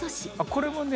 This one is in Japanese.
「これもね